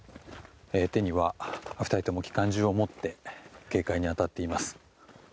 手には２人とも機関銃を持って警戒に当たっています。